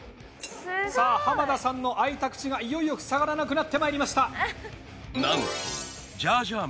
さあ濱田さんの開いた口がいよいよふさがらなくなってまいりました。